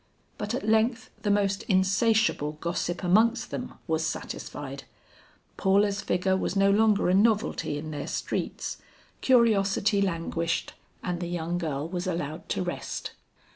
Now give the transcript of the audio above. But at length the most insatiable gossip amongst them was satisfied; Paula's figure was no longer a novelty in their streets; curiosity languished and the young girl was allowed to rest.